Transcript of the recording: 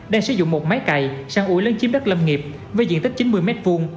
đang sử dụng một máy cày săn ủi lấn chiếm đất lâm nghiệp với diện tích chín mươi m hai